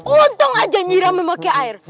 untung aja nyiramnya pake air